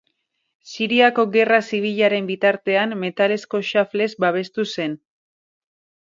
Siriako Gerra Zibilaren bitartean metalezko xaflez babestu zen.